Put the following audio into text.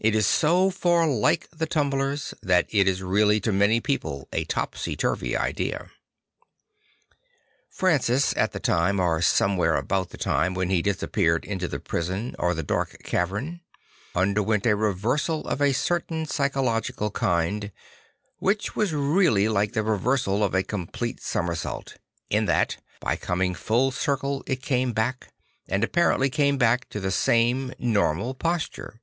It is so far like the tumblers that it is really to many people a topsy turvy idea. Le Jongleur de Dieu 79 Francis, at the time or somewhere about the time when he disappeared into the prison or the dark cavern, underwent a reversal of a certain psychological kind; which was really like the reversal of a complete somersault, in that by coming full circle it came back, or apparently came back, to the same nonnal posture.